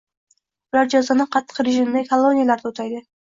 Ular jazoni qattiq rejimdagi koloniyalarda o‘taydi